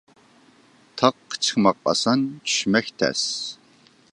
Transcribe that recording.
تاغقا چىقماق ئاسان، چۈشمەك تەس.